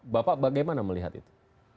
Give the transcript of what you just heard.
bapak bagaimana melihat itu